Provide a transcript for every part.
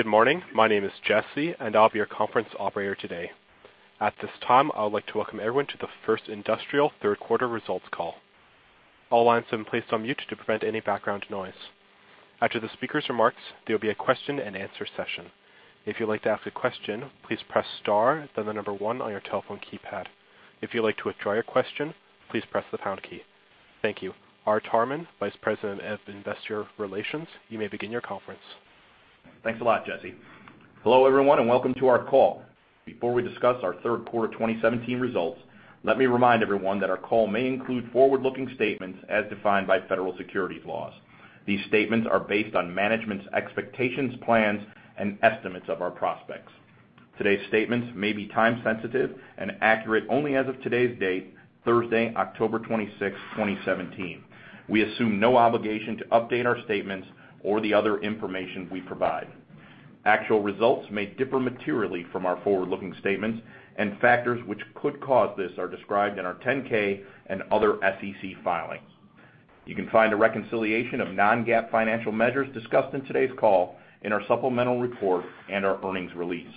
Good morning. My name is Jesse, and I'll be your conference operator today. At this time, I would like to welcome everyone to the First Industrial third quarter results call. All lines have been placed on mute to prevent any background noise. After the speaker's remarks, there will be a question and answer session. If you'd like to ask a question, please press star, then the number one on your telephone keypad. If you'd like to withdraw your question, please press the pound key. Thank you. Art Harmon, Vice President of Investor Relations, you may begin your conference. Thanks a lot, Jesse. Hello, everyone, and welcome to our call. Before we discuss our third quarter 2017 results, let me remind everyone that our call may include forward-looking statements as defined by federal securities laws. These statements are based on management's expectations, plans, and estimates of our prospects. Today's statements may be time sensitive and accurate only as of today's date, Thursday, October 26, 2017. We assume no obligation to update our statements or the other information we provide. Actual results may differ materially from our forward-looking statements, and factors which could cause this are described in our 10-K and other SEC filings. You can find a reconciliation of non-GAAP financial measures discussed in today's call in our supplemental report and our earnings release.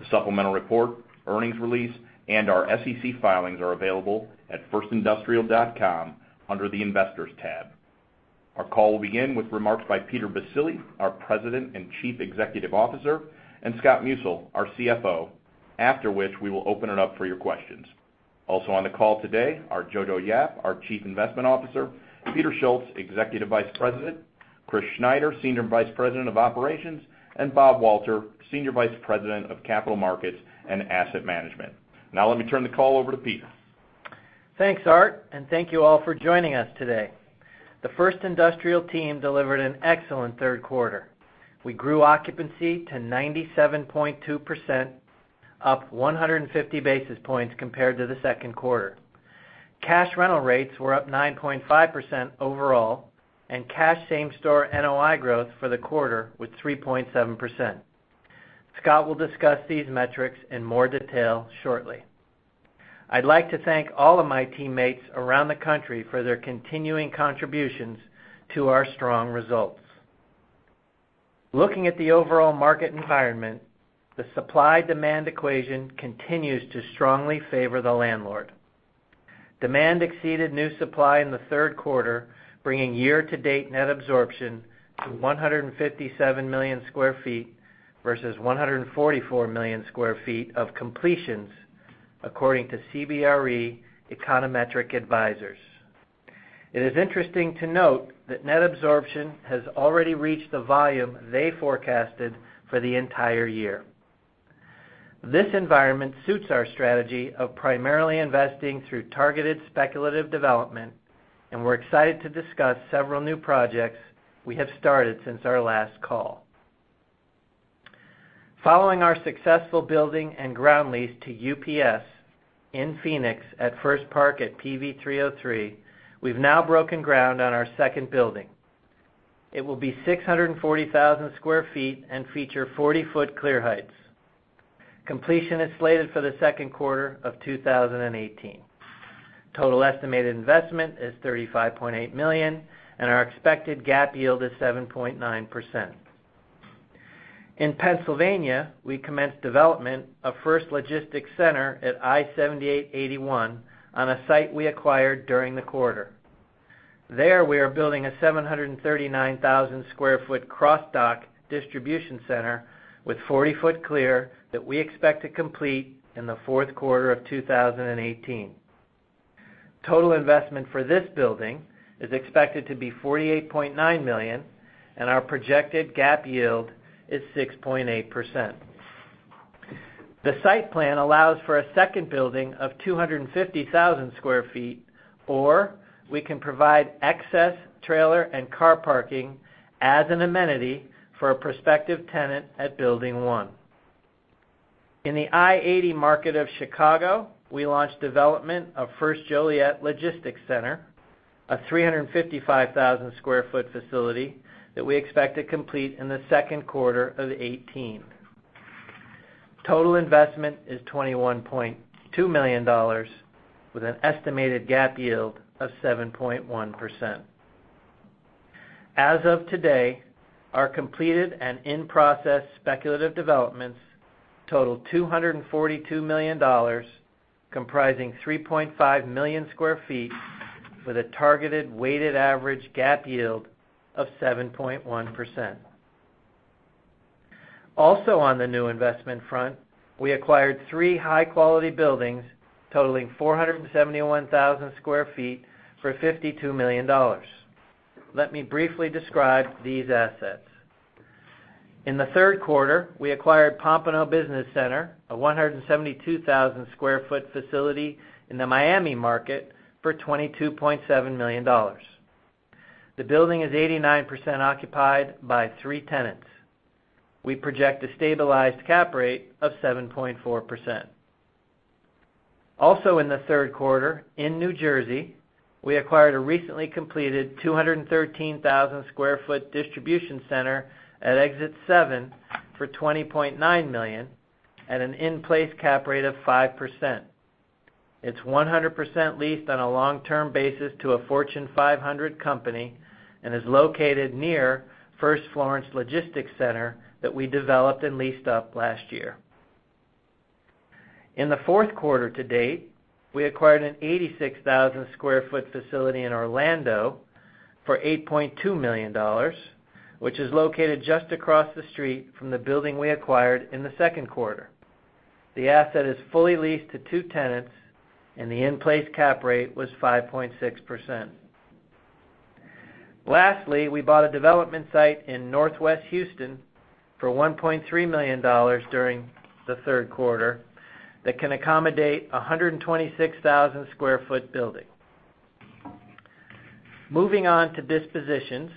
The supplemental report, earnings release, and our SEC filings are available at firstindustrial.com under the Investors tab. Our call will begin with remarks by Peter Baccile, our President and Chief Executive Officer, and Scott Musil, our CFO, after which we will open it up for your questions. Also on the call today are Johannson Yap, our Chief Investment Officer, Peter Schultz, Executive Vice President, Christopher Schneider, Senior Vice President of Operations, and Robert Walter, Senior Vice President of Capital Markets and Asset Management. Now let me turn the call over to Peter. Thanks, Art, and thank you all for joining us today. The First Industrial team delivered an excellent third quarter. We grew occupancy to 97.2%, up 150 basis points compared to the second quarter. Cash rental rates were up 9.5% overall, and cash same-store NOI growth for the quarter was 3.7%. Scott will discuss these metrics in more detail shortly. I'd like to thank all of my teammates around the country for their continuing contributions to our strong results. Looking at the overall market environment, the supply-demand equation continues to strongly favor the landlord. Demand exceeded new supply in the third quarter, bringing year-to-date net absorption to 157 million square feet versus 144 million square feet of completions, according to CBRE Econometric Advisors. It is interesting to note that net absorption has already reached the volume they forecasted for the entire year. This environment suits our strategy of primarily investing through targeted speculative development. We're excited to discuss several new projects we have started since our last call. Following our successful building and ground lease to UPS in Phoenix at First Park at PV 303, we've now broken ground on our second building. It will be 640,000 square feet and feature 40-foot clear heights. Completion is slated for the second quarter of 2018. Total estimated investment is $35.8 million, and our expected GAAP yield is 7.9%. In Pennsylvania, we commenced development of First Logistics Center at I-78/81 on a site we acquired during the quarter. There, we are building a 739,000 square foot cross-dock distribution center with 40-foot clear that we expect to complete in the fourth quarter of 2018. Total investment for this building is expected to be $48.9 million, and our projected GAAP yield is 6.8%. The site plan allows for a second building of 250,000 square feet. We can provide excess trailer and car parking as an amenity for a prospective tenant at building one. In the I-80 market of Chicago, we launched development of First Joliet Logistics Center, a 355,000 square foot facility that we expect to complete in the second quarter of 2018. Total investment is $21.2 million with an estimated GAAP yield of 7.1%. As of today, our completed and in-process speculative developments total $242 million, comprising 3.5 million square feet with a targeted weighted average GAAP yield of 7.1%. Also on the new investment front, we acquired three high-quality buildings totaling 471,000 square feet for $52 million. Let me briefly describe these assets. In the third quarter, we acquired Pompano Business Center, a 172,000 square foot facility in the Miami market for $22.7 million. The building is 89% occupied by three tenants. We project a stabilized cap rate of 7.4%. Also in the third quarter, in New Jersey, we acquired a recently completed 213,000 square foot distribution center at Exit 7 for $20.9 million at an in-place cap rate of 5%. It's 100% leased on a long-term basis to a Fortune 500 company. It is located near First Florence Logistics Center that we developed and leased up last year. In the fourth quarter to date, we acquired an 86,000 square foot facility in Orlando for $8.2 million, which is located just across the street from the building we acquired in the second quarter. The asset is fully leased to two tenants, and the in-place cap rate was 5.6%. Lastly, we bought a development site in Northwest Houston for $1.3 million during the third quarter that can accommodate 126,000 square foot building. Moving on to dispositions.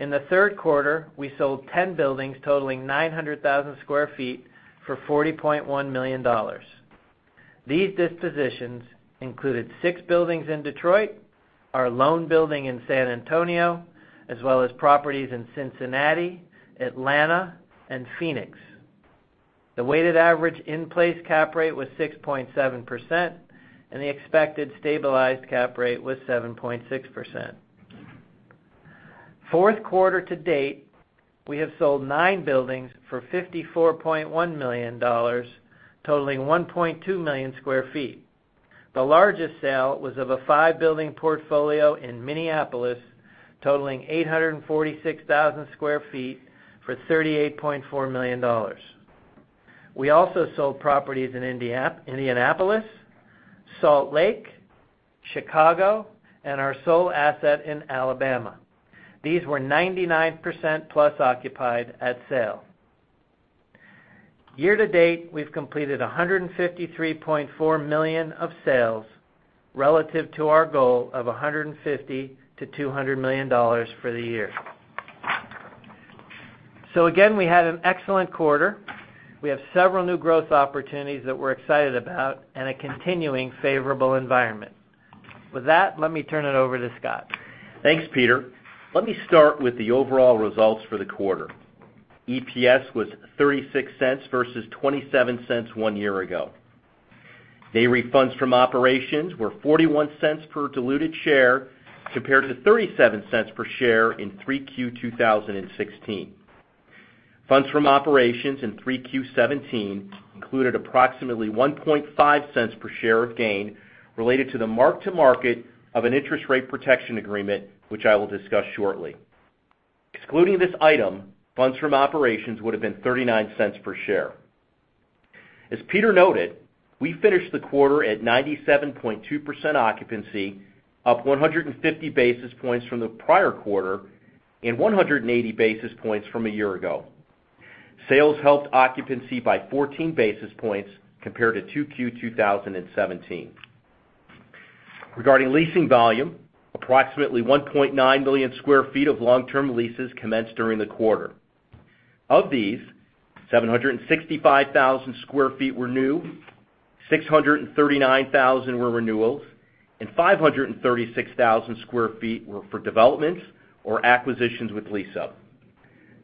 In the third quarter, we sold 10 buildings totaling 900,000 square feet for $40.1 million. These dispositions included six buildings in Detroit, our loan building in San Antonio, as well as properties in Cincinnati, Atlanta, and Phoenix. The weighted average in-place cap rate was 6.7%. The expected stabilized cap rate was 7.6%. Fourth quarter to date, we have sold nine buildings for $54.1 million, totaling 1.2 million square feet. The largest sale was of a five-building portfolio in Minneapolis, totaling 846,000 square feet for $38.4 million. We also sold properties in Indianapolis, Salt Lake, Chicago, and our sole asset in Alabama. These were 99% plus occupied at sale. Year to date, we've completed $153.4 million of sales relative to our goal of $150 million-$200 million for the year. Again, we had an excellent quarter. We have several new growth opportunities that we're excited about and a continuing favorable environment. With that, let me turn it over to Scott. Thanks, Peter. Let me start with the overall results for the quarter. EPS was $0.36 versus $0.27 one year ago. NAREIT funds from operations were $0.41 per diluted share, compared to $0.37 per share in Q3 2016. Funds from operations in Q3 2017 included approximately $0.015 per share of gain related to the mark-to-market of an interest rate protection agreement, which I will discuss shortly. Excluding this item, funds from operations would've been $0.39 per share. As Peter noted, we finished the quarter at 97.2% occupancy, up 150 basis points from the prior quarter and 180 basis points from a year ago. Sales helped occupancy by 14 basis points compared to Q2 2017. Regarding leasing volume, approximately 1.9 million sq ft of long-term leases commenced during the quarter. Of these, 765,000 sq ft were new, 639,000 were renewals, and 536,000 sq ft were for developments or acquisitions with lease-up.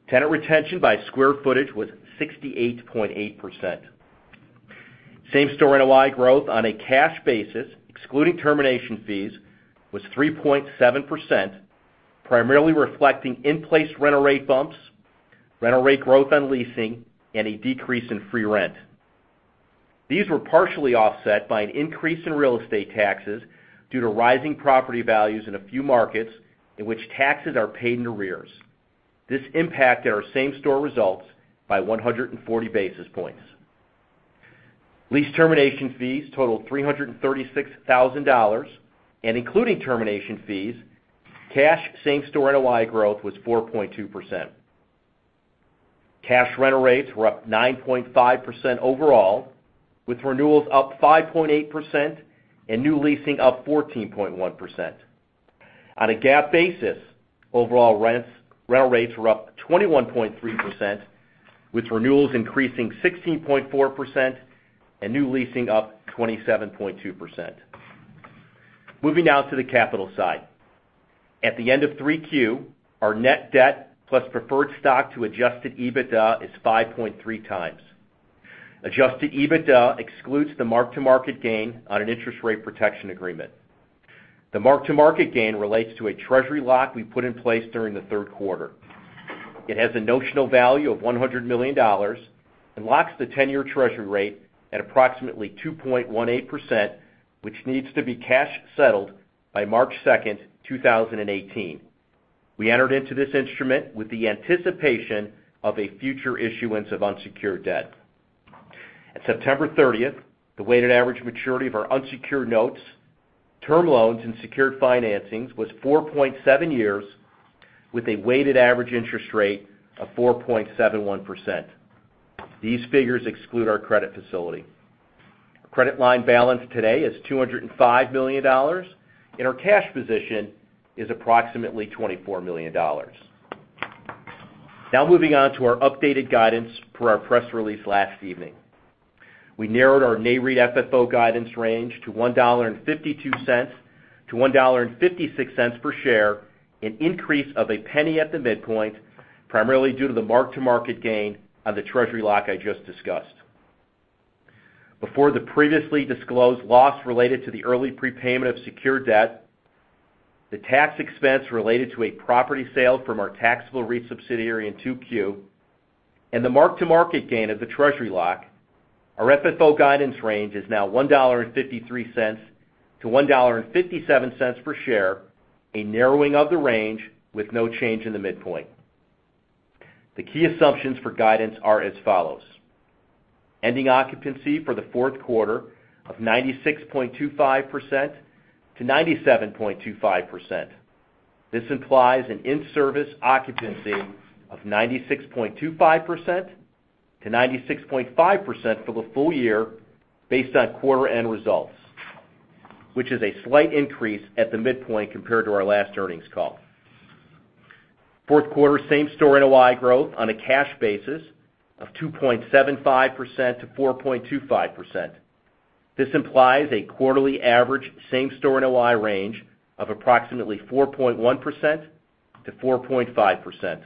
Tenant retention by square footage was 68.8%. Same-store NOI growth on a cash basis, excluding termination fees, was 3.7%, primarily reflecting in-place rental rate bumps, rental rate growth on leasing, and a decrease in free rent. These were partially offset by an increase in real estate taxes due to rising property values in a few markets in which taxes are paid in arrears. This impacted our same-store results by 140 basis points. Lease termination fees totaled $336,000. Including termination fees, cash same-store NOI growth was 4.2%. Cash rental rates were up 9.5% overall, with renewals up 5.8% and new leasing up 14.1%. On a GAAP basis, overall rental rates were up 21.3%, with renewals increasing 16.4% and new leasing up 27.2%. Moving now to the capital side. At the end of Q3, our net debt, plus preferred stock to adjusted EBITDA is 5.3x. Adjusted EBITDA excludes the mark-to-market gain on an interest rate protection agreement. The mark-to-market gain relates to a treasury lock we put in place during the third quarter. It has a notional value of $100 million and locks the 10-year treasury rate at approximately 2.18%, which needs to be cash settled by March 2nd, 2018. We entered into this instrument with the anticipation of a future issuance of unsecured debt. At September 30th, the weighted average maturity of our unsecured notes, term loans and secured financings was 4.7 years with a weighted average interest rate of 4.71%. These figures exclude our credit facility. Our credit line balance today is $205 million, and our cash position is approximately $24 million. Moving on to our updated guidance per our press release last evening. We narrowed our NAREIT FFO guidance range to $1.52-$1.56 per share, an increase of $0.01 at the midpoint, primarily due to the mark-to-market gain on the treasury lock I just discussed. Before the previously disclosed loss related to the early prepayment of secured debt, the tax expense related to a property sale from our taxable REIT subsidiary in 2Q, and the mark-to-market gain of the treasury lock, our FFO guidance range is now $1.53-$1.57 per share, a narrowing of the range with no change in the midpoint. The key assumptions for guidance are as follows. Ending occupancy for the fourth quarter of 96.25%-97.25%. This implies an in-service occupancy of 96.25%-96.5% for the full year based on quarter-end results, which is a slight increase at the midpoint compared to our last earnings call. Fourth quarter same-store NOI growth on a cash basis of 2.75%-4.25%. This implies a quarterly average same-store NOI range of approximately 4.1%-4.5%.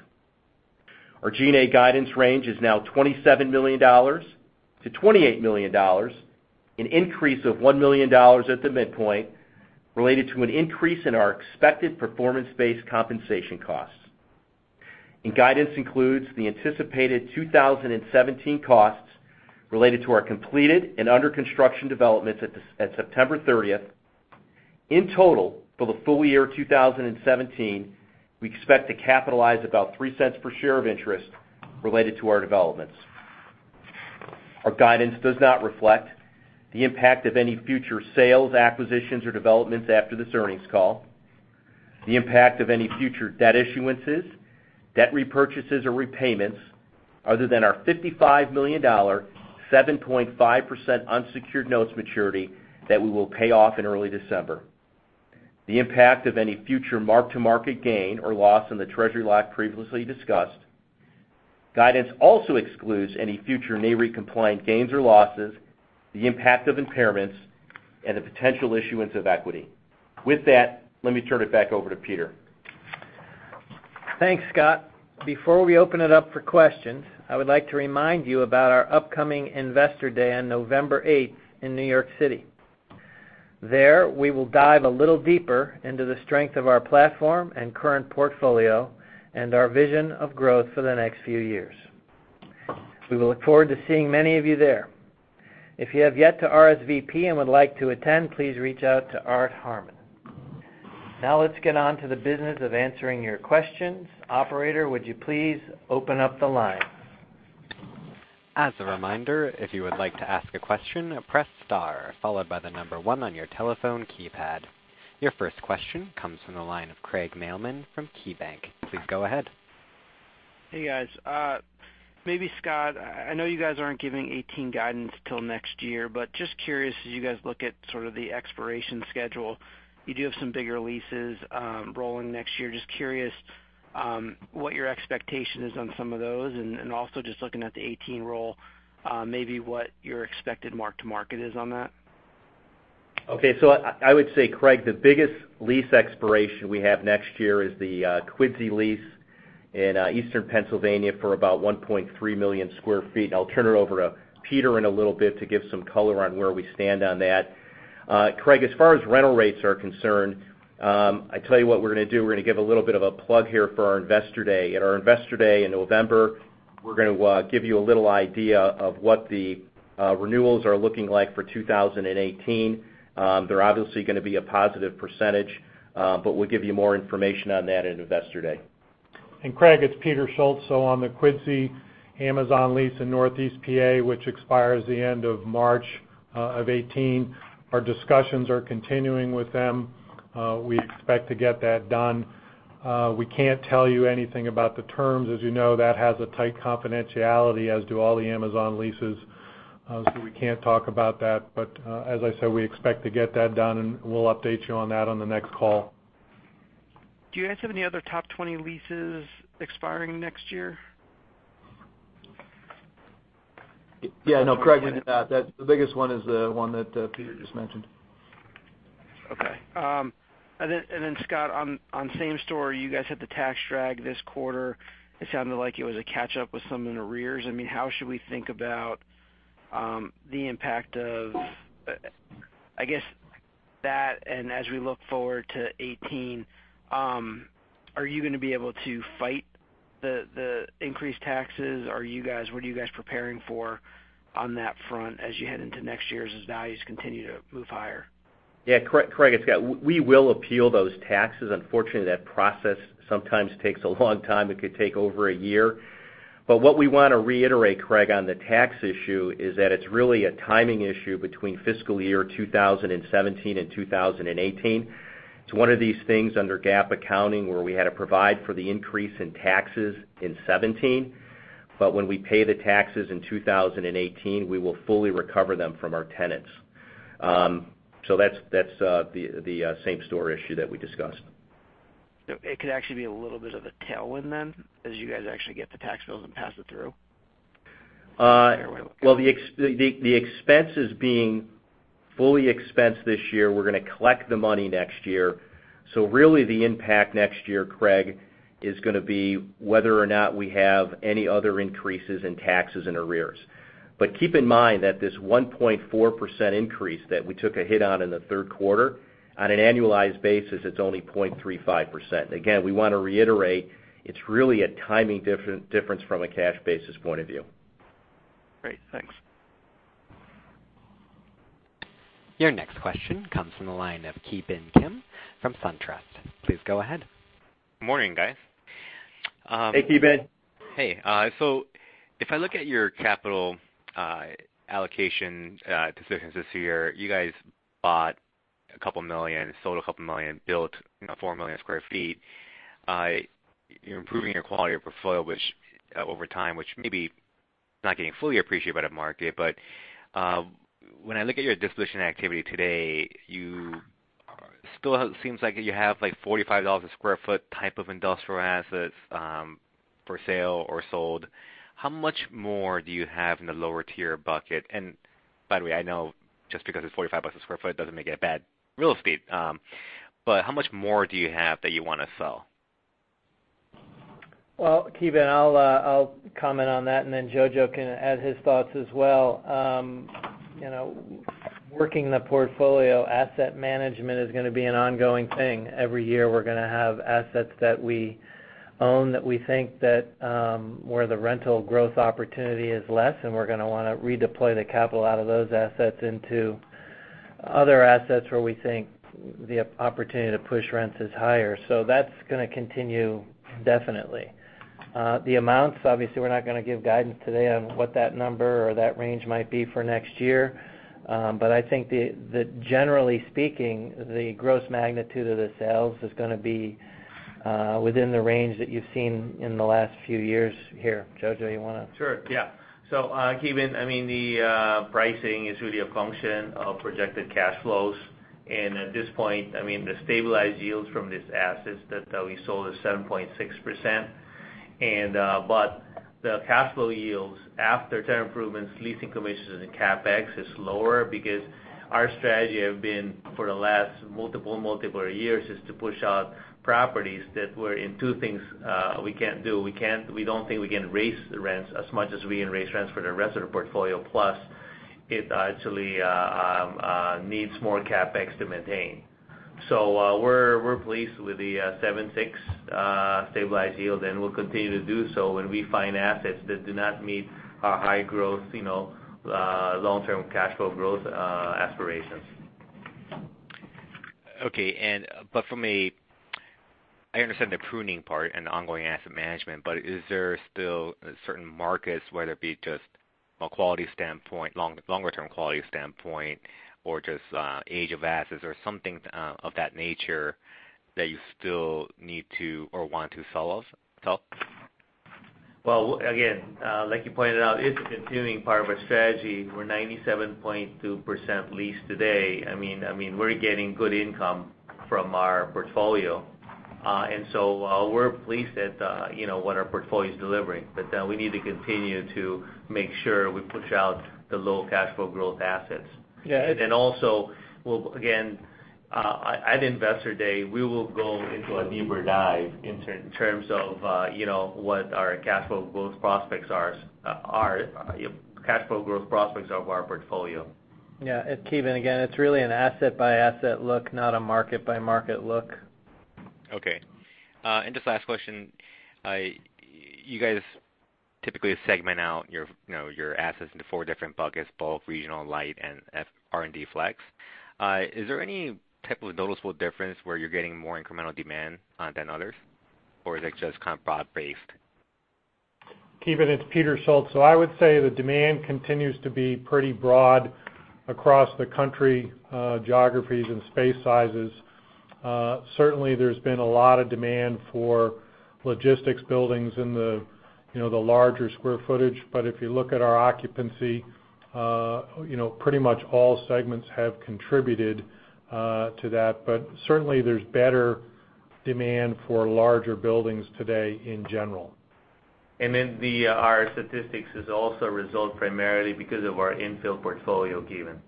Our G&A guidance range is now $27 million-$28 million, an increase of $1 million at the midpoint, related to an increase in our expected performance-based compensation costs. Guidance includes the anticipated 2017 costs related to our completed and under-construction developments at September 30th. In total, for the full year 2017, we expect to capitalize about $0.03 per share of interest related to our developments. Our guidance does not reflect the impact of any future sales, acquisitions, or developments after this earnings call, the impact of any future debt issuances, debt repurchases, or repayments, other than our $55 million, 7.5% unsecured notes maturity that we will pay off in early December. The impact of any future mark-to-market gain or loss on the treasury lock previously discussed. Guidance also excludes any future NAREIT-compliant gains or losses, the impact of impairments, and the potential issuance of equity. With that, let me turn it back over to Peter. Thanks, Scott. Before we open it up for questions, I would like to remind you about our upcoming Investor Day on November 8th in New York City. There, we will dive a little deeper into the strength of our platform and current portfolio and our vision of growth for the next few years. We will look forward to seeing many of you there. If you have yet to RSVP and would like to attend, please reach out to Art Harmon. Let's get on to the business of answering your questions. Operator, would you please open up the line? As a reminder, if you would like to ask a question, press star followed by the number 1 on your telephone keypad. Your first question comes from the line of Craig Mailman from KeyBank. Please go ahead. Hey, guys. Maybe Scott, I know you guys aren't giving 2018 guidance till next year, just curious, as you guys look at sort of the expiration schedule, you do have some bigger leases rolling next year. Just curious what your expectation is on some of those, and also just looking at the 2018 roll, maybe what your expected mark-to-market is on that. I would say, Craig, the biggest lease expiration we have next year is the Quidsi lease in Eastern Pennsylvania for about 1.3 million sq ft. I'll turn it over to Peter in a little bit to give some color on where we stand on that. Craig, as far as rental rates are concerned, I tell you what we're going to do. We're going to give a little bit of a plug here for our Investor Day. At our Investor Day in November, we're going to give you a little idea of what the renewals are looking like for 2018. They're obviously going to be a positive percentage, we'll give you more information on that at Investor Day. Craig, it's Peter Schultz. On the Quidsi Amazon lease in Northeast P.A., which expires the end of March of 2018, our discussions are continuing with them. We expect to get that done. We can't tell you anything about the terms. As you know, that has a tight confidentiality, as do all the Amazon leases. We can't talk about that. As I said, we expect to get that done, and we'll update you on that on the next call. Do you guys have any other top 20 leases expiring next year? Yeah, no, Craig, the biggest one is the one that Peter just mentioned. Okay. Scott, on same-store, you guys had the tax drag this quarter. It sounded like it was a catch-up with some in arrears. How should we think about the impact of that, as we look forward to 2018, are you going to be able to fight the increased taxes? What are you guys preparing for on that front as you head into next year, as values continue to move higher? Yeah, Craig, it's Scott. We will appeal those taxes. Unfortunately, that process sometimes takes a long time. It could take over a year. What we want to reiterate, Craig, on the tax issue is that it's really a timing issue between fiscal year 2017 and 2018. It's one of these things under GAAP accounting where we had to provide for the increase in taxes in 2017. When we pay the taxes in 2018, we will fully recover them from our tenants. That's the same-store issue that we discussed. It could actually be a little bit of a tailwind then, as you guys actually get the tax bills and pass it through? The expenses being fully expensed this year, we're going to collect the money next year. Really the impact next year, Craig, is going to be whether or not we have any other increases in taxes and arrears. Keep in mind that this 1.4% increase that we took a hit on in the third quarter, on an annualized basis, it's only 0.35%. Again, we want to reiterate it's really a timing difference from a cash basis point of view. Great. Thanks. Your next question comes from the line of Ki Bin Kim from SunTrust. Please go ahead. Morning, guys. Hey, Ki Bin. Hey. If I look at your capital allocation decisions this year, you guys bought $2 million, sold $2 million, built 4 million sq ft. You're improving your quality of portfolio over time, which maybe not getting fully appreciated by the market. When I look at your disposition activity today, it still seems like you have like $45 a sq ft type of industrial assets for sale or sold. How much more do you have in the lower tier bucket? By the way, I know just because it's $45 a sq ft doesn't make it a bad real estate. How much more do you have that you want to sell? Well, Ki Bin, I'll comment on that, Jojo can add his thoughts as well. Working the portfolio asset management is going to be an ongoing thing. Every year, we're going to have assets that we own, that we think that where the rental growth opportunity is less, and we're going to want to redeploy the capital out of those assets into other assets where we think the opportunity to push rents is higher. That's going to continue definitely. The amounts, obviously, we're not going to give guidance today on what that number or that range might be for next year. I think, generally speaking, the gross magnitude of the sales is going to be within the range that you've seen in the last few years here. Jojo, you want to- Sure, yeah. Ki Bin, the pricing is really a function of projected cash flows. At this point, the stabilized yields from these assets that we sold is 7.6%. The cash flow yields after term improvements, leasing commissions, and CapEx is lower because our strategy has been, for the last multiple years, is to push out properties that were in two things we can't do. We don't think we can raise the rents as much as we can raise rents for the rest of the portfolio. Plus, it actually needs more CapEx to maintain. We're pleased with the 7.6% stabilized yield, and we'll continue to do so when we find assets that do not meet our high-growth, long-term cash flow growth aspirations. Okay. I understand the pruning part and the ongoing asset management, is there still certain markets, whether it be just from a longer-term quality standpoint or just age of assets or something of that nature that you still need to or want to sell off? Well, again, like you pointed out, it's a continuing part of our strategy. We're 97.2% leased today. We're getting good income from our portfolio. We're pleased at what our portfolio is delivering. We need to continue to make sure we push out the low cash flow growth assets. Yeah. Also, again, at Investor Day, we will go into a deeper dive in terms of what our cash flow growth prospects are of our portfolio. Yeah. Ki Bin, again, it's really an asset-by-asset look, not a market-by-market look. Okay. Just last question. You guys typically segment out your assets into four different buckets, both regional, light, and R&D flex. Is there any type of noticeable difference where you're getting more incremental demand than others? Is it just kind of broad-based? Ki Bin, it's Peter Schultz. I would say the demand continues to be pretty broad across the country geographies and space sizes. Certainly, there's been a lot of demand for logistics buildings in the larger square footage. If you look at our occupancy, pretty much all segments have contributed to that. Certainly, there's better demand for larger buildings today in general. Our statistics is also a result primarily because of our infill portfolio given.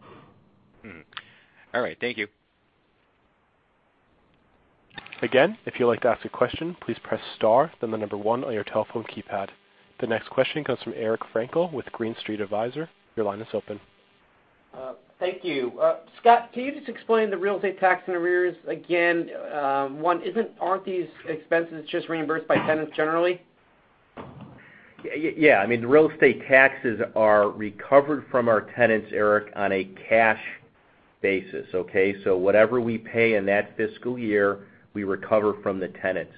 All right. Thank you. Again, if you'd like to ask a question, please press star, then the number 1 on your telephone keypad. The next question comes from Eric Frankel with Green Street Advisors. Your line is open. Thank you. Scott, can you just explain the real estate tax in arrears again? One, aren't these expenses just reimbursed by tenants generally? Yeah. The real estate taxes are recovered from our tenants, Eric, on a cash basis, okay? Whatever we pay in that fiscal year, we recover from the tenants.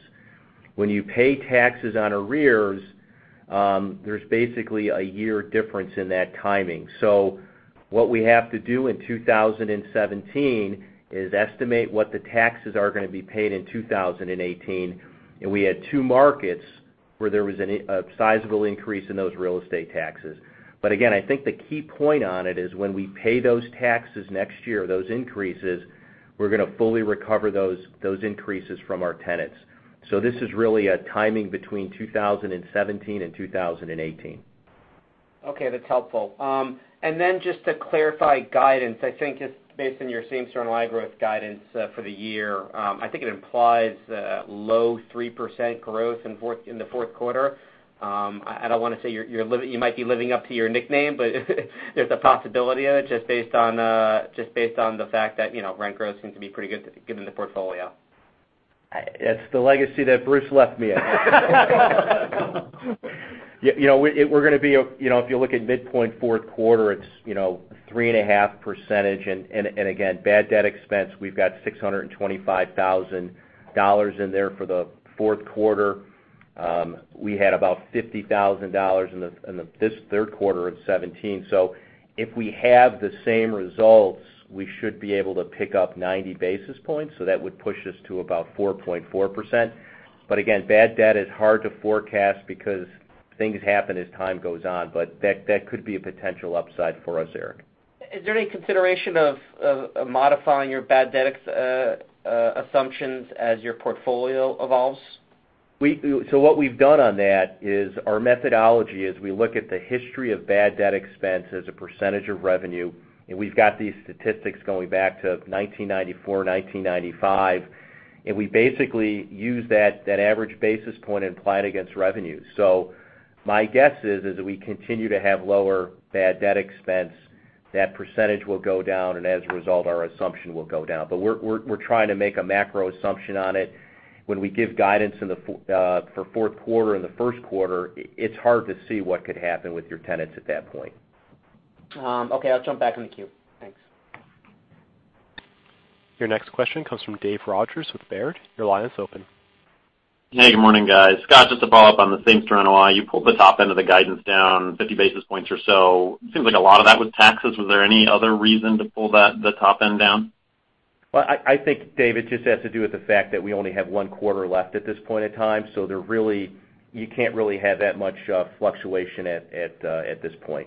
When you pay taxes on arrears, there's basically a year difference in that timing. What we have to do in 2017 is estimate what the taxes are going to be paid in 2018. We had two markets where there was a sizable increase in those real estate taxes. Again, I think the key point on it is when we pay those taxes next year, we're going to fully recover those increases from our tenants. This is really a timing between 2017 and 2018. Okay, that's helpful. Just to clarify guidance, I think just based on your same-store NOI growth guidance for the year, I think it implies low 3% growth in the fourth quarter. I don't want to say you might be living up to your nickname, but there's a possibility of it just based on the fact that rent growth seems to be pretty good given the portfolio. It's the legacy that Bruce left me. If you look at midpoint fourth quarter, it's 3.5%. Again, bad debt expense, we've got $625,000 in there for the fourth quarter. We had about $50,000 in this third quarter of 2017. If we have the same results, we should be able to pick up 90 basis points, that would push us to about 4.4%. Again, bad debt is hard to forecast because things happen as time goes on. That could be a potential upside for us, Eric. Is there any consideration of modifying your bad debt assumptions as your portfolio evolves? What we've done on that is our methodology is we look at the history of bad debt expense as a percentage of revenue, we've got these statistics going back to 1994, 1995, we basically use that average basis point and apply it against revenue. My guess is, as we continue to have lower bad debt expense, that percentage will go down, as a result, our assumption will go down. We're trying to make a macro assumption on it. When we give guidance for fourth quarter and the first quarter, it's hard to see what could happen with your tenants at that point. Okay. I'll jump back in the queue. Thanks. Your next question comes from Dave Rodgers with Baird. Your line is open. Hey, good morning, guys. Scott, just to follow up on the same-store NOI. You pulled the top end of the guidance down 50 basis points or so. It seems like a lot of that was taxes. Was there any other reason to pull the top end down? Well, I think, Dave, it just has to do with the fact that we only have one quarter left at this point in time, so you can't really have that much fluctuation at this point.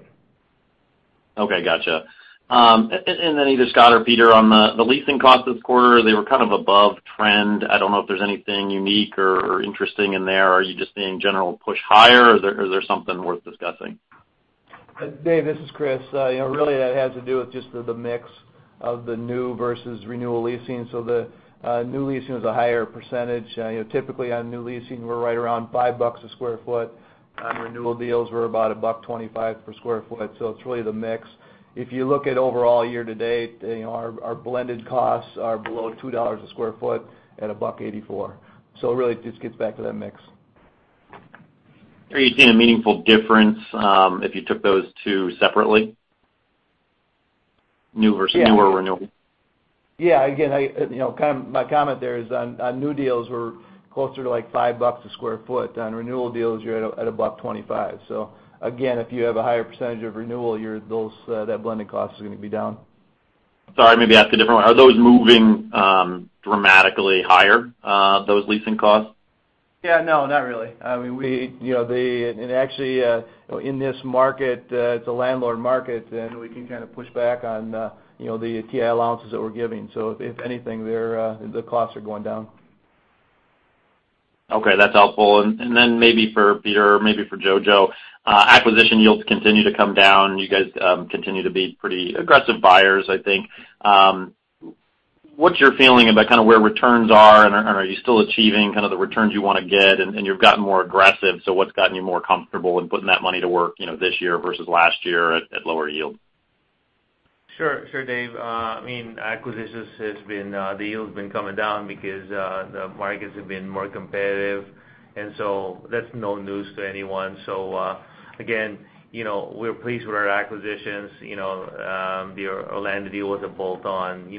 Okay, gotcha. Either Scott or Peter, on the leasing costs this quarter, they were kind of above trend. I don't know if there's anything unique or interesting in there. Are you just seeing general push higher, or is there something worth discussing? Dave, this is Chris. Really, that has to do with just the mix of the new versus renewal leasing. The new leasing is a higher percentage. Typically, on new leasing, we're right around $5 a sq ft. On renewal deals, we're about $1.25 per sq ft. It's really the mix. If you look at overall year-to-date, our blended costs are below $2 a sq ft and $1.84. It really just gets back to that mix. Are you seeing a meaningful difference if you took those two separately? New versus newer renewal? Yeah. Again, my comment there is on new deals, we're closer to like $5 a sq ft. On renewal deals, you're at $1.25. Again, if you have a higher percentage of renewal, that blended cost is going to be down. Sorry, maybe I'll ask a different one. Are those moving dramatically higher, those leasing costs? Yeah, no, not really. Actually, in this market, it's a landlord market, and we can kind of push back on the TI allowances that we're giving. If anything, the costs are going down. Okay, that's helpful. Then maybe for Peter or maybe for Jojo, acquisition yields continue to come down. You guys continue to be pretty aggressive buyers, I think. What's your feeling about kind of where returns are, and are you still achieving kind of the returns you want to get, and you've gotten more aggressive, what's gotten you more comfortable in putting that money to work this year versus last year at lower yield? Sure, Dave. The yield's been coming down because the markets have been more competitive, that's no news to anyone. Again, we're pleased with our acquisitions. The Orlando deal was a bolt-on.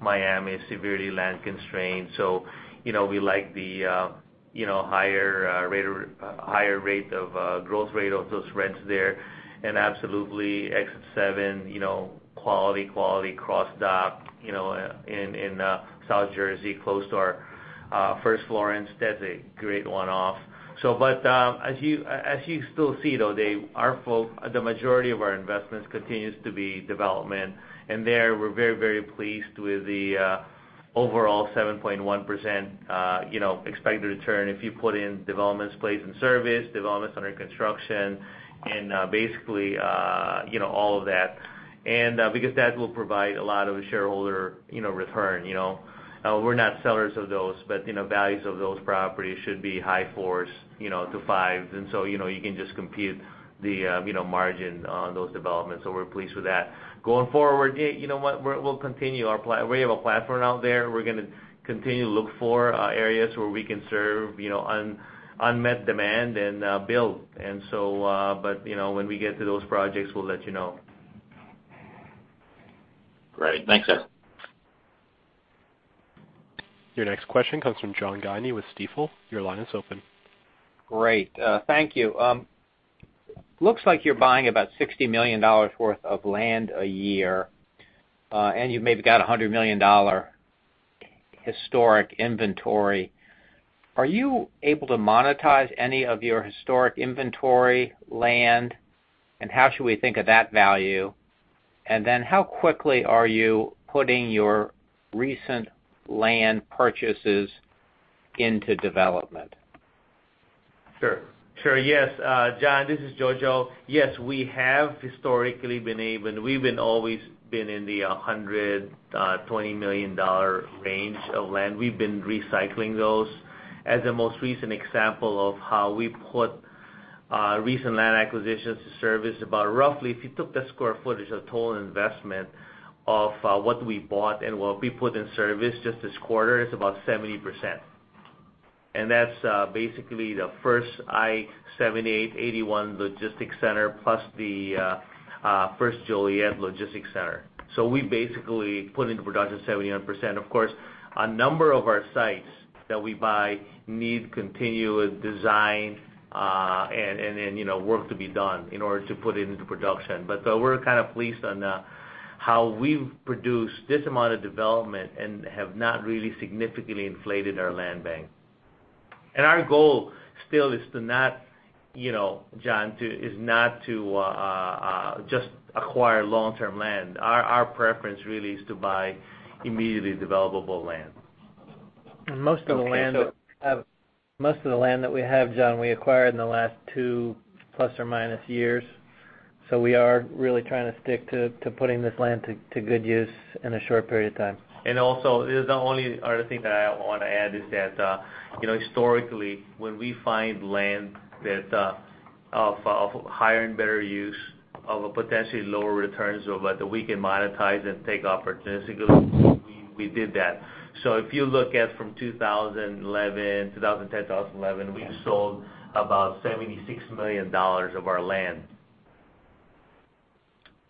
Miami is severely land-constrained, we like the higher rate of growth rate of those rents there. Absolutely, Exit Seven, quality cross dock in South Jersey, close to our First Florence. That's a great one-off. As you still see, though, the majority of our investments continues to be development. There, we're very pleased with the overall 7.1% expected return if you put in developments placed in service, developments under construction, and basically all of that. Because that will provide a lot of shareholder return. We are not sellers of those, but values of those properties should be high fours to fives, and you can just compute the margin on those developments. We are pleased with that. Going forward, we have a platform out there. We are going to continue to look for areas where we can serve unmet demand and build. When we get to those projects, we will let you know. Great. Thanks, guys. Your next question comes from John Guinee with Stifel. Your line is open. Great. Thank you. Looks like you are buying about $60 million worth of land a year, and you have maybe got a $100 million historic inventory. Are you able to monetize any of your historic inventory land? How should we think of that value? How quickly are you putting your recent land purchases into development? Sure. Yes, John, this is Jojo. We've always been in the $120 million range of land. We've been recycling those. As the most recent example of how we put recent land acquisitions to service, about roughly, if you took the square footage of total investment of what we bought and what we put in service just this quarter, it's about 70%. That's basically the First I-78/81 Logistics Center plus the First Joliet Logistics Center. We basically put into production 70%. Of course, a number of our sites that we buy need continuous design, then work to be done in order to put it into production. Though we're kind of pleased on how we've produced this amount of development and have not really significantly inflated our land bank. Our goal still is to not, John, to just acquire long-term land. Our preference really is to buy immediately developable land. Most of the land that we have, John, we acquired in the last two plus or minus years. We are really trying to stick to putting this land to good use in a short period of time. The only other thing that I want to add is that, historically, when we find land of higher and better use of potentially lower returns, but that we can monetize and take opportunistic we did that. If you look at from 2010, 2011, we sold about $76 million of our land.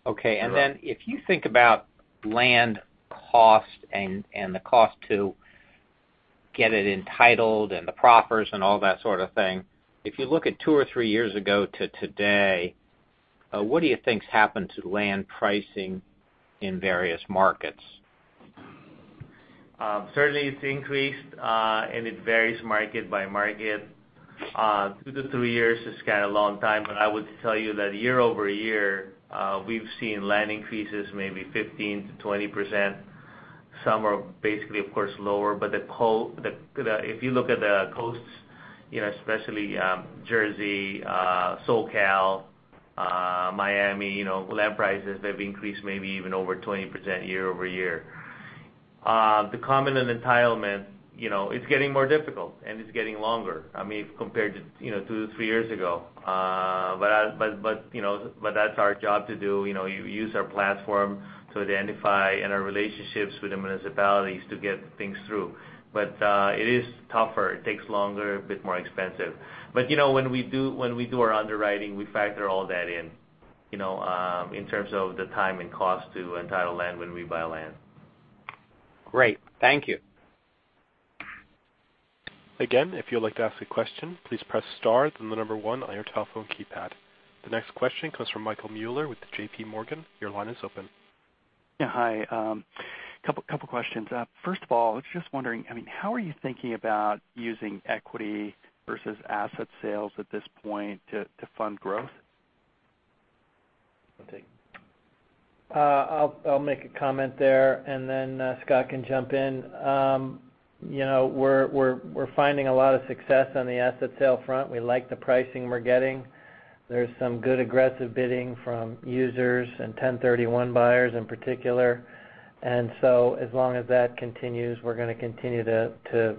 If you think about land cost and the cost to get it entitled and the proffers and all that sort of thing. If you look at two or three years ago to today, what do you think has happened to land pricing in various markets? Certainly, it's increased, and it varies market by market. Two to three years is kind of a long time, but I would tell you that year-over-year, we've seen land increases maybe 15%-20%. Some are basically, of course, lower. If you look at the coasts, especially Jersey, SoCal, Miami, land prices, they've increased maybe even over 20% year-over-year. The common entitlement, it's getting more difficult, and it's getting longer compared to two to three years ago. That's our job to do. You use our platform to identify, and our relationships with the municipalities to get things through. It is tougher. It takes longer, a bit more expensive. When we do our underwriting, we factor all that in terms of the time and cost to entitle land when we buy land. Great. Thank you. Again, if you'd like to ask a question, please press star then the number 1 on your telephone keypad. The next question comes from Michael Mueller with JPMorgan. Your line is open. Yeah, hi. Couple questions. First of all, I was just wondering, how are you thinking about using equity versus asset sales at this point to fund growth? I'll take it. I'll make a comment there, then Scott can jump in. We're finding a lot of success on the asset sale front. We like the pricing we're getting. There's some good aggressive bidding from users and 1031 buyers in particular. As long as that continues, we're going to continue to,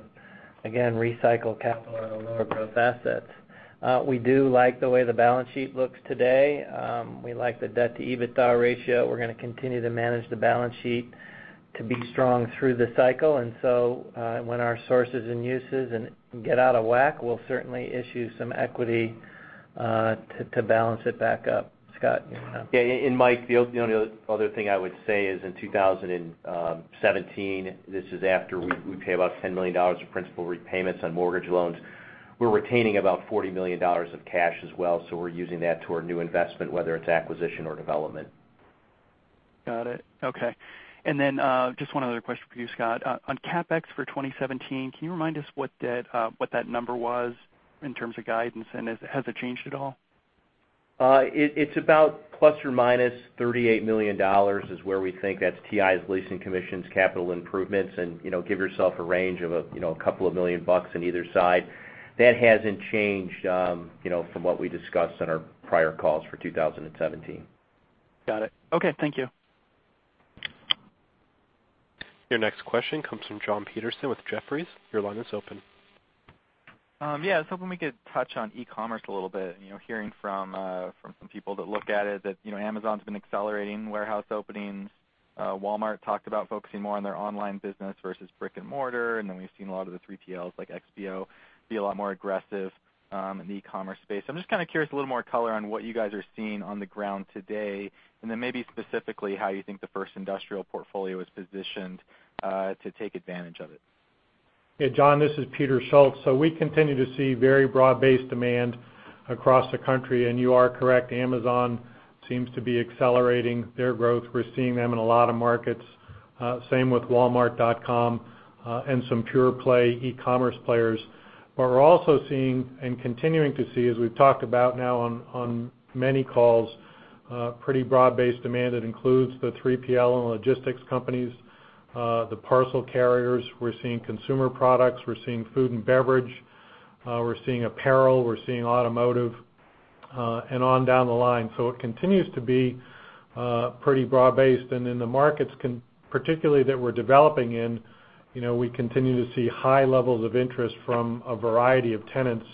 again, recycle capital out of lower growth assets. We do like the way the balance sheet looks today. We like the debt-to-EBITDA ratio. We're going to continue to manage the balance sheet to be strong through the cycle. When our sources and uses get out of whack, we'll certainly issue some equity to balance it back up. Scott? Yeah. Mike, the only other thing I would say is in 2017, this is after we pay about $10 million of principal repayments on mortgage loans. We're retaining about $40 million of cash as well, so we're using that to our new investment, whether it's acquisition or development. Got it. Okay. Just one other question for you, Scott. On CapEx for 2017, can you remind us what that number was in terms of guidance, and has it changed at all? It's about ±$38 million is where we think that's TIs, leasing commissions, capital improvements, and give yourself a range of a couple of million bucks on either side. That hasn't changed from what we discussed on our prior calls for 2017. Got it. Okay, thank you. Your next question comes from Jonathan Petersen with Jefferies. Your line is open. I was hoping we could touch on e-commerce a little bit. Hearing from some people that look at it, that Amazon's been accelerating warehouse openings. Walmart talked about focusing more on their online business versus brick and mortar, and then we've seen a lot of the 3PLs like XPO be a lot more aggressive in the e-commerce space. I'm just kind of curious, a little more color on what you guys are seeing on the ground today, and then maybe specifically how you think the First Industrial portfolio is positioned to take advantage of it. John, this is Peter Schultz. We continue to see very broad-based demand across the country, and you are correct. Amazon seems to be accelerating their growth. We're seeing them in a lot of markets Same with walmart.com, and some pure play e-commerce players. We're also seeing and continuing to see, as we've talked about now on many calls, pretty broad-based demand that includes the 3PL and logistics companies, the parcel carriers. We're seeing consumer products. We're seeing food and beverage. We're seeing apparel. We're seeing automotive, and on down the line. It continues to be pretty broad-based. In the markets, particularly that we're developing in, we continue to see high levels of interest from a variety of tenants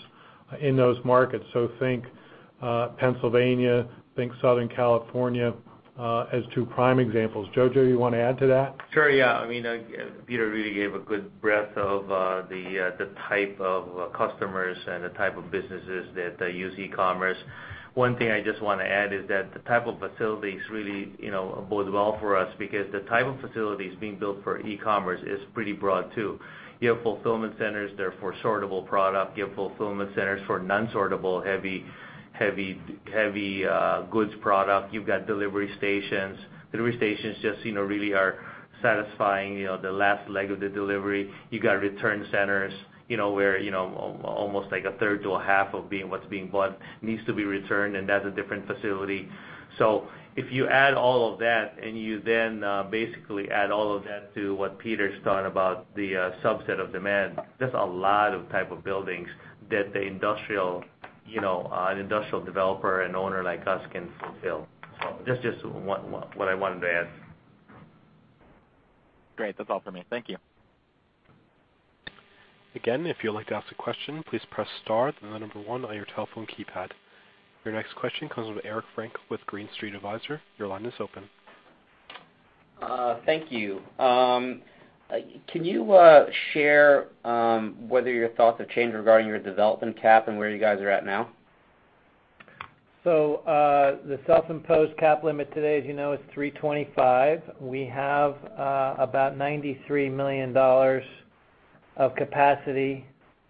in those markets. Think Pennsylvania, think Southern California as two prime examples. Jojo, you want to add to that? Sure. Peter really gave a good breadth of the type of customers and the type of businesses that use e-commerce. One thing I just want to add is that the type of facilities really bodes well for us, because the type of facilities being built for e-commerce is pretty broad, too. You have fulfillment centers that are for sortable product. You have fulfillment centers for non-sortable, heavy goods product. You've got delivery stations. Delivery stations just really are satisfying the last leg of the delivery. You got return centers, where almost like a third to a half of what's being bought needs to be returned, and that's a different facility. If you add all of that and you then basically add all of that to what Peter's talking about, the subset of demand, that's a lot of type of buildings that an industrial developer and owner like us can fulfill. That's just what I wanted to add. Great. That's all for me. Thank you. If you'd like to ask a question, please press star, then the number 1 on your telephone keypad. Your next question comes from Eric Frankel with Green Street Advisors. Your line is open. Thank you. Can you share whether your thoughts have changed regarding your development cap and where you guys are at now? The self-imposed cap limit today, as you know, is 325. We have about $93 million of capacity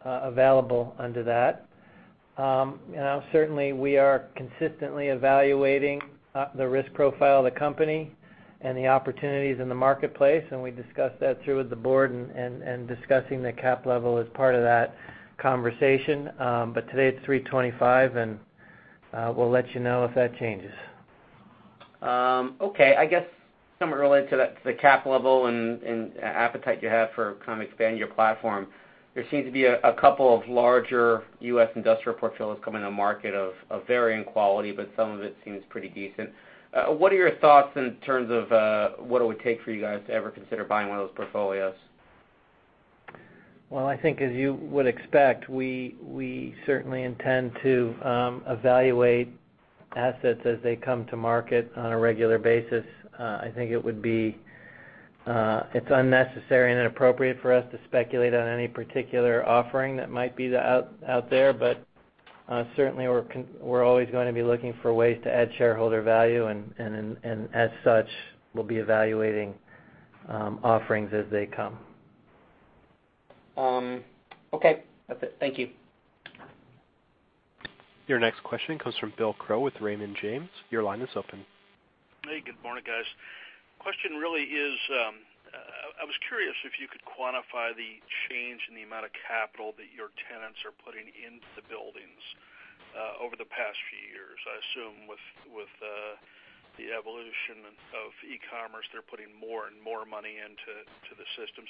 available under that. Certainly, we are consistently evaluating the risk profile of the company and the opportunities in the marketplace, and we discuss that through with the board and discussing the cap level as part of that conversation. Today it's 325 and we'll let you know if that changes. Okay. I guess somewhere related to the cap level and appetite you have for kind of expanding your platform, there seems to be a couple of larger U.S. industrial portfolios coming to market of varying quality, but some of it seems pretty decent. What are your thoughts in terms of what it would take for you guys to ever consider buying one of those portfolios? Well, I think as you would expect, we certainly intend to evaluate assets as they come to market on a regular basis. I think it's unnecessary and inappropriate for us to speculate on any particular offering that might be out there. Certainly, we're always going to be looking for ways to add shareholder value, and as such, we'll be evaluating offerings as they come. Okay. That's it. Thank you. Your next question comes from William Crow with Raymond James. Your line is open. Hey, good morning, guys. Question really is, I was curious if you could quantify the change in the amount of capital that your tenants are putting into the buildings over the past few years. I assume with the evolution of e-commerce, they're putting more and more money into the systems.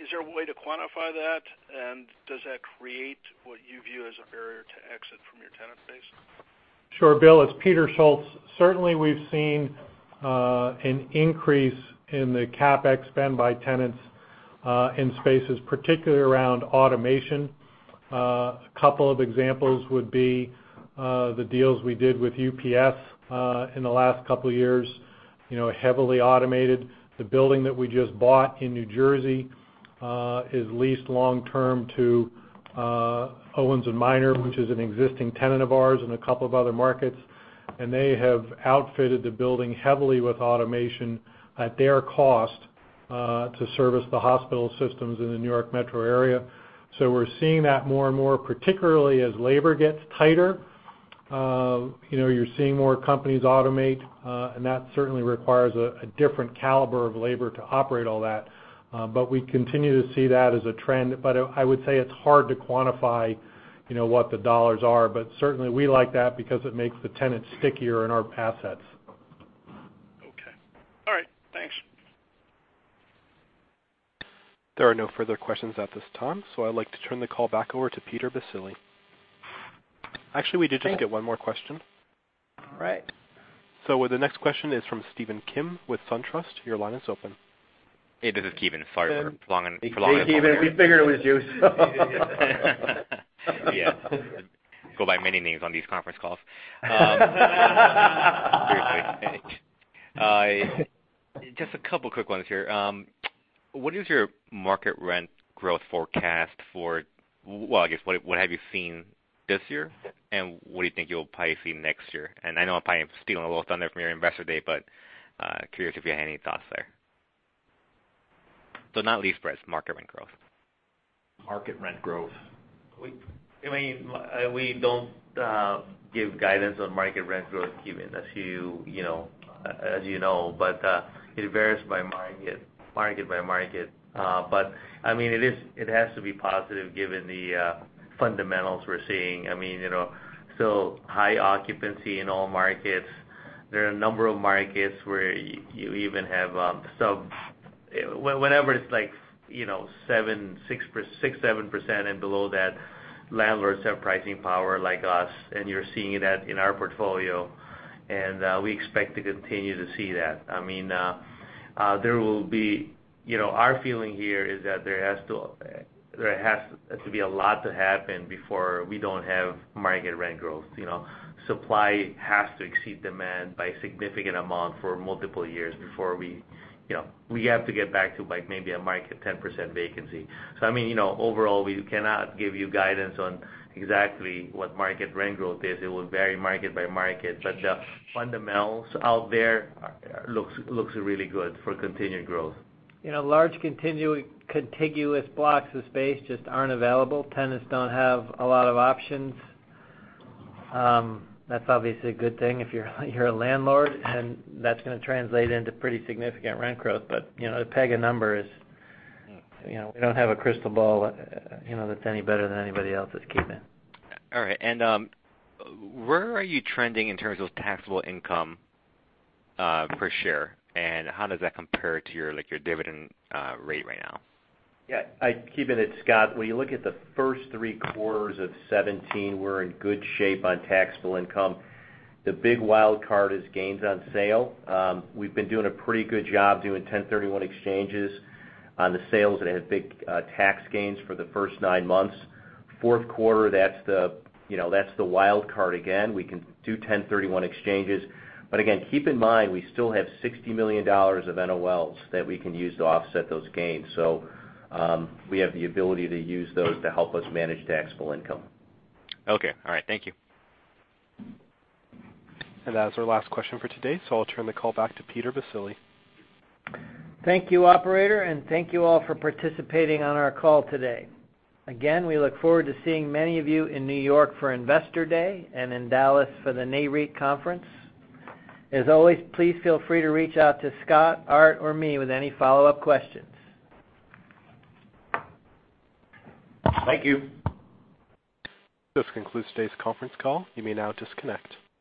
Is there a way to quantify that, and does that create what you view as a barrier to exit from your tenant base? Sure, Bill, it's Peter Schultz. Certainly, we've seen an increase in the CapEx spend by tenants in spaces, particularly around automation. A couple of examples would be the deals we did with UPS in the last couple of years, heavily automated. The building that we just bought in New Jersey is leased long term to Owens & Minor, which is an existing tenant of ours in a couple of other markets, and they have outfitted the building heavily with automation at their cost to service the hospital systems in the New York metro area. We're seeing that more and more, particularly as labor gets tighter. You're seeing more companies automate, and that certainly requires a different caliber of labor to operate all that. We continue to see that as a trend. I would say it's hard to quantify what the dollars are. Certainly, we like that because it makes the tenants stickier in our assets. Okay. All right. Thanks. There are no further questions at this time. I'd like to turn the call back over to Peter Baccile. Actually, we did just get one more question. All right. The next question is from Steven Kim with SunTrust. Your line is open. Hey, this is Ki Bin. Sorry for prolonging it. Hey, Ki Bin. We figured it was you. Yeah. I go by many names on these conference calls. Seriously. Just a couple quick ones here. What is your market rent growth forecast for Well, I guess, what have you seen this year, and what do you think you'll probably see next year? I know I probably am stealing a little thunder from your Investor Day, but curious if you had any thoughts there. Not lease price, market rent growth. Market rent growth. We don't give guidance on market rent growth, Ki Bin, as you know. It varies by market by market. It has to be positive given the fundamentals we're seeing. High occupancy in all markets. There are a number of markets where you even have sub Whenever it's 6%, 7% and below that, landlords have pricing power like us, and you're seeing that in our portfolio, and we expect to continue to see that. Our feeling here is that there has to be a lot to happen before we don't have market rent growth. Supply has to exceed demand by a significant amount for multiple years before we have to get back to maybe a market 10% vacancy. Overall, we cannot give you guidance on exactly what market rent growth is. It will vary market by market, but the fundamentals out there looks really good for continued growth. Large contiguous blocks of space just aren't available. Tenants don't have a lot of options. That's obviously a good thing if you're a landlord, and that's going to translate into pretty significant rent growth. To peg a number is, we don't have a crystal ball that's any better than anybody else's, Ki Bin. All right. Where are you trending in terms of taxable income per share, and how does that compare to your dividend rate right now? Yeah. Ki Bin, it's Scott. When you look at the first three quarters of 2017, we're in good shape on taxable income. The big wild card is gains on sale. We've been doing a pretty good job doing 1031 exchanges on the sales that had big tax gains for the first nine months. Fourth quarter, that's the wild card again. We can do 1031 exchanges, but again, keep in mind, we still have $60 million of NOLs that we can use to offset those gains. We have the ability to use those to help us manage taxable income. Okay. All right. Thank you. That is our last question for today. I'll turn the call back to Peter Baccile. Thank you, operator. Thank you all for participating on our call today. Again, we look forward to seeing many of you in New York for Investor Day in Dallas for the NAREIT conference. As always, please feel free to reach out to Scott, Art, or me with any follow-up questions. Thank you. This concludes today's conference call. You may now disconnect.